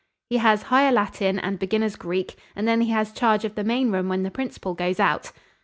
"He has higher Latin and beginners' Greek, and then he has charge of the main room when the principal goes out."